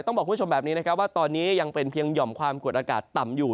บอกคุณผู้ชมแบบนี้นะครับว่าตอนนี้ยังเป็นเพียงห่อมความกดอากาศต่ำอยู่